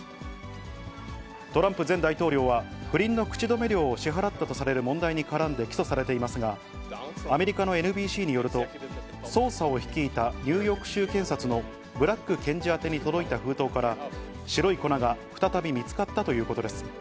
トランプ前大統領は、不倫の口止め料を支払ったとされる問題に絡んで起訴されていますが、アメリカのＮＢＣによると、捜査を率いたニューヨーク州検察のブラッグ検事宛てに届いた封筒から、白い粉が再び見つかったということです。